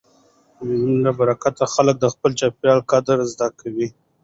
د مېلو له برکته خلک د خپل چاپېریال قدر زده کوي.